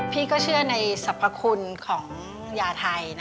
พี่ก็เชื่อในสรรพคุณของยาไทย